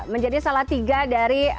menjadi salah tiga dari